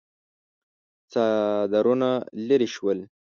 څادرونه ليرې شول.